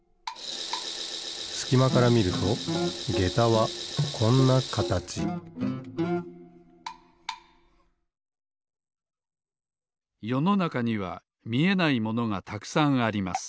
すきまからみるとげたはこんなかたちよのなかにはみえないものがたくさんあります。